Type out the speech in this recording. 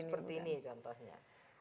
iya seperti ini contohnya